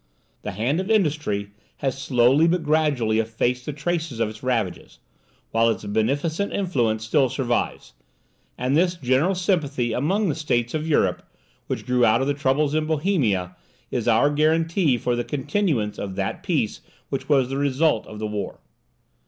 The hand of industry has slowly but gradually effaced the traces of its ravages, while its beneficent influence still survives; and this general sympathy among the states of Europe, which grew out of the troubles in Bohemia, is our guarantee for the continuance of that peace which was the result of the war.